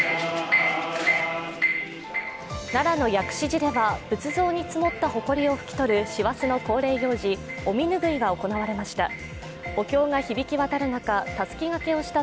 奈良の薬師寺では仏像に積もったほこりを拭き取る師走の恒例行事、お身拭いが行われました。